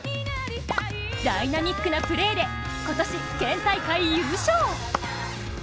ダイナミックなプレーで、今年県大会優勝。